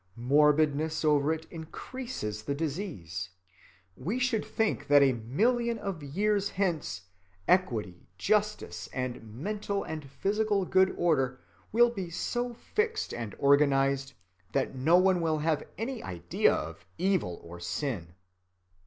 Morbidness over it increases the disease. We should think that a million of years hence equity, justice, and mental and physical good order will be so fixed and organized that no one will have any idea of evil or sin.